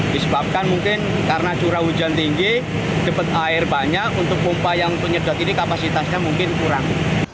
disebabkan mungkin karena curah hujan tinggi depet air banyak untuk pompa yang penyedot ini kapasitasnya mungkin kurang